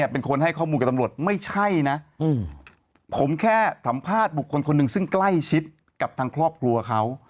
พิมพ์ทวิตเตอร์ด้วยบอกว่า